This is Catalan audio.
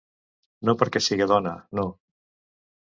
No perquè siga dona, no...